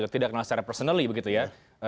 tidak kenal secara personally begitu ya